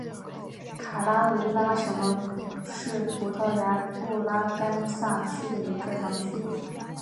卡拉韦拉什是葡萄牙布拉干萨区的一个堂区。